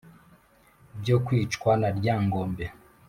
Byo kicwa na Lyangombe